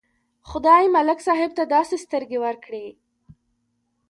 خدای ملک صاحب ته داسې سترګې ورکړې.